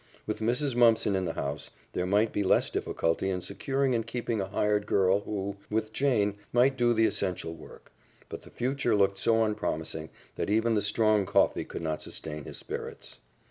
With Mrs. Mumpson in the house, there might be less difficulty in securing and keeping a hired girl who, with Jane, might do the essential work. But the future looked so unpromising that even the strong coffee could not sustain his spirits.